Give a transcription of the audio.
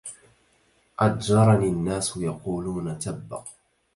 أضجرني الناس يقولون تب